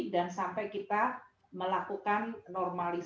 dan sampai kita melakukan normalisasi